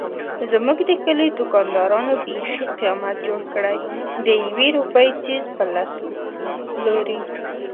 زموږ د کلي دوکاندارانو بیخي قیامت جوړ کړی دیوې روپۍ څيز په لس پلوري.